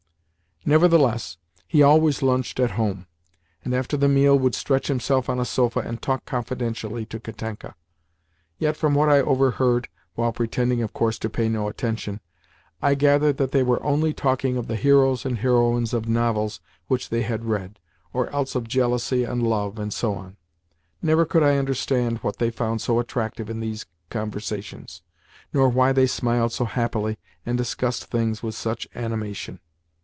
Nevertheless he always lunched at home, and after the meal would stretch himself on a sofa and talk confidentially to Katenka: yet from what I overheard (while pretending, of course, to pay no attention) I gathered that they were only talking of the heroes and heroines of novels which they had read, or else of jealousy and love, and so on. Never could I understand what they found so attractive in these conversations, nor why they smiled so happily and discussed things with such animation.